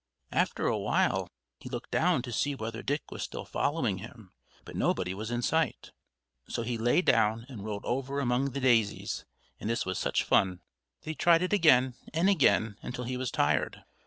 After a while he looked to see whether Dick was still following him, but nobody was in sight; so he lay down and rolled over among the daisies; and this was such fun that he tried it again, and again, until he was tired.